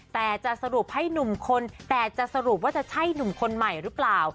แต่จะสรุปให้หนุ่มคนแต่จะสรุปว่าจะใช่หนุ่มคนใหม่หรือเปล่า